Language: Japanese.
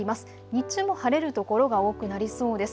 日中も晴れる所が多くなりそうです。